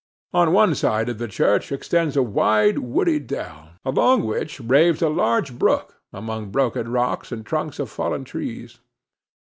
On one side of the church extends a wide woody dell, along which raves a large brook among broken rocks and trunks of fallen trees.